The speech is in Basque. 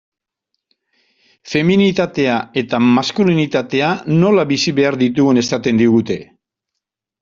Feminitatea eta maskulinitatea nola bizi behar ditugun esaten digute.